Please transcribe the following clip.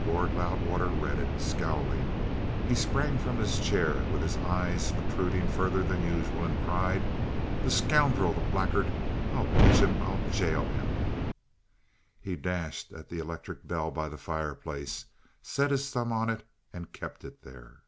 Lord Loudwater read it, scowling, sprang up from his chair with his eyes protruding further than usual, and cried: "The scoundrel! The blackguard! I'll teach him! I'll gaol him!" He dashed at the electric bell by the fireplace, set his thumb on it, and kept it there.